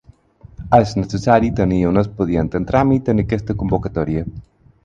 És necessari tenir un expedient en tràmit en aquesta convocatòria.